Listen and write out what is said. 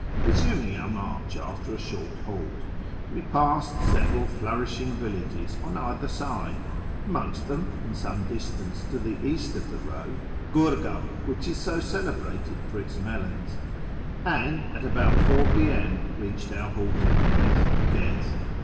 Eesumiug our march after a short halt, we passed several flourishing villages on either side (amongst them, and some dis tance to the east of the road, Gurgab, which is so celebrated for its melons), and, about 4 p.m., reached our halting place, Gez.